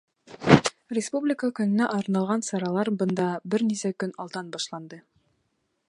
Республика көнөнә арналған саралар бында бер нисә көн алдан башланды.